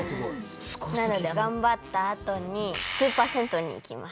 なので頑張ったあとにスーパー銭湯に行きました。